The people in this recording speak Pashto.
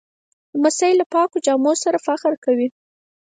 لمسی له پاکو جامو سره فخر کوي.